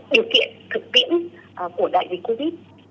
điều kiện thực tiễn của đại dịch covid